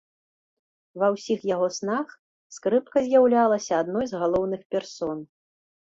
Ва ўсіх яго снах скрыпка з'яўлялася адной з галоўных персон.